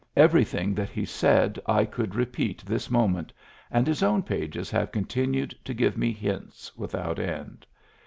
Everything that he said I could repeat this moment, and his own pages have continued to give me hints without end.